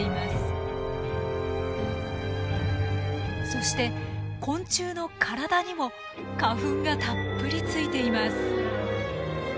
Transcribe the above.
そして昆虫の体にも花粉がたっぷりついています。